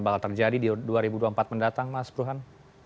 bakal terjadi di dua ribu dua puluh empat mendatang mas burhan